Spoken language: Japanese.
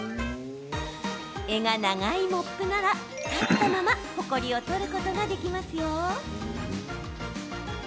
柄が長いモップなら立ったままほこりを取ることができますよ。